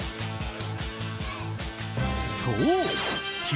そう！